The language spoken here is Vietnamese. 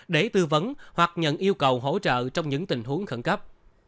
để tư vấn hoặc nhận yêu cầu hỗ trợ trong những tình huống khẩn cấp